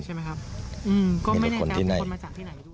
ก็ไม่ได้การคุ้นมาจากที่ไหนด้วย